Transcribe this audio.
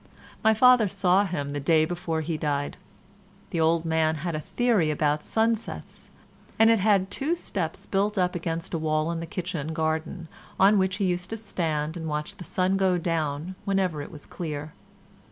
My father saw him the day before he died. The old man had a theory about sunsets, and had had two steps built up against a wall in the kitchen garden on which he used to stand and watch the sun go down whenever it was clear.